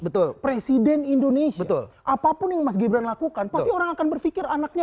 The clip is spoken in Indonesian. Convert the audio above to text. betul presiden indonesia apapun yang mas gibran lakukan pasti orang akan berpikir anaknya